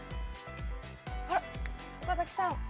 あらっ岡崎さん。